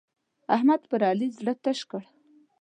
احمد پر علي زړه تش کړ.